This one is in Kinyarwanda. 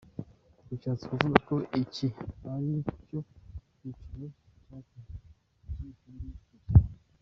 Bishatse kuvuga ko iki aricyo giciro nyacyo cy’iyi filime ku isoko.